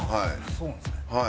そうなんですね。